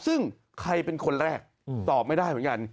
ซึ่งใครเป็นคนแรกตอบไม่ได้เหมือนกัน